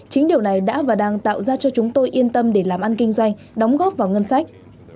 chính điều này đã và đang tạo ra cho chúng tôi yên tâm để làm ăn kinh doanh đóng góp vào ngân sách